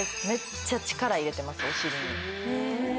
めっちゃ力入れてますお尻に。